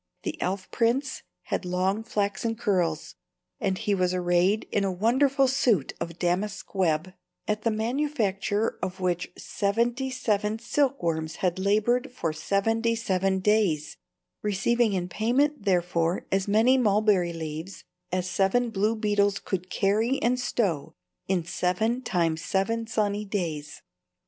The elf prince had long flaxen curls, and he was arrayed in a wonderful suit of damask web, at the manufacture of which seventy seven silkworms had labored for seventy seven days, receiving in payment therefor as many mulberry leaves as seven blue beetles could carry and stow in seven times seven sunny days.